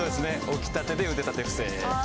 起きたてで腕立て伏せ。